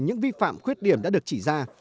những vi phạm khuyết điểm đã được chỉ ra